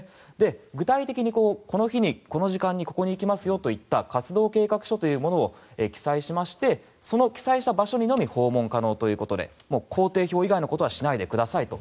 具体的にこの日にこの時間にここに来ますよといった活動計画書というものを記載してその記載した場所のみ訪問可能ということで行程表以外のことはしないでくださいと。